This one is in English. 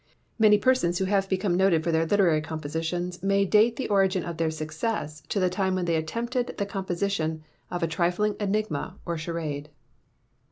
Many persons who have become noted for their literary compositions may date the origin of their success to the time when they attempted the composition of a trifling enigma or charade.